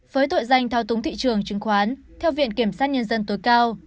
với tội danh thao túng thị trường chứng khoán theo viện kiểm sát nhân dân tối cao